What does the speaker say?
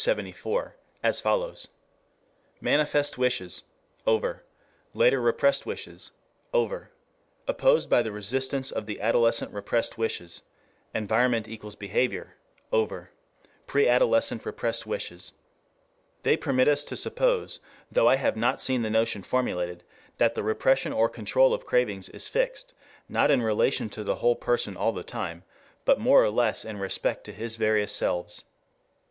74, as follows: Manifest wishes } over } Later Repressed Wishes } Over } opposed by the resistance of the Adolescent Repressed Wishes } environment=Behavior Over } Preadolescent Repressed Wishes }] They permit us to suppose, though I have not seen the notion formulated, that the repression or control of cravings is fixed not in relation to the whole person all the time, but more or less in respect to his various selves.